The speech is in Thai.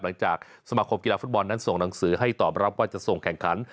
สมาคมกีฬาฟุตบอลนั้นส่งหนังสือให้ตอบรับว่าจะส่งแข่งขัน